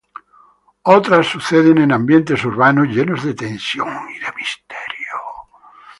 Otras suceden en ambientes urbanos llenos de tensión y de misterio.